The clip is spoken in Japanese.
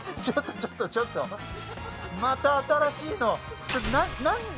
ちょっとちょっとちょっとまた新しいのちょっとな何？